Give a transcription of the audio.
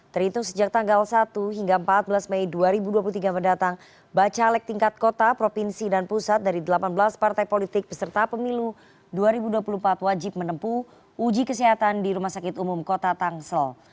terhitung sejak tanggal satu hingga empat belas mei dua ribu dua puluh tiga mendatang bacalek tingkat kota provinsi dan pusat dari delapan belas partai politik peserta pemilu dua ribu dua puluh empat wajib menempuh uji kesehatan di rumah sakit umum kota tangsel